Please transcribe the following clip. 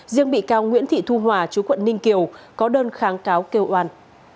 riêng bị cáo nguyễn thị thu hòa chú quận ninh kiều có đơn kháng cáo kêu oan